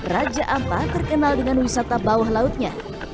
raja ampat terkenal dengan wisata bawah lautnya